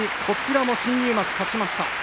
こちらも新入幕勝ちました。